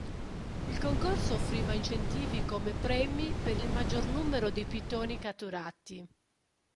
Il concorso offriva incentivi come premi per il maggior numero di pitoni catturati.